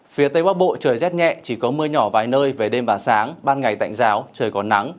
phía tây bắc bộ trời rét nhẹ chỉ có mưa nhỏ vài nơi về đêm và sáng ban ngày tạnh giáo trời còn nắng